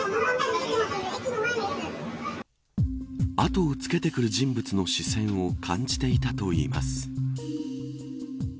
あとをつけてくる人物の視線を感じていたといいます。